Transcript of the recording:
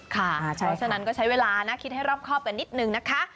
เพราะฉะนั้นก็ใช้เวลานะคิดให้รอบครอบกันนิดนึงนะคะ